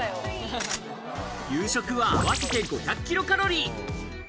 夕食は合わせて５００キロカロリー。